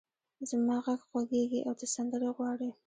زما غږ خوږېږې او ته سندرې غواړې!